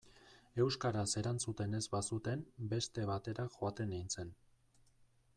Euskaraz erantzuten ez bazuten, beste batera joaten nintzen.